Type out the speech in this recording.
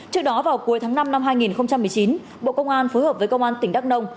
trước đó vào cuối tháng năm năm hai nghìn một mươi chín bộ công an phối hợp với công an tỉnh đắk nông